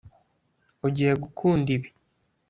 Ugiye gukunda ibi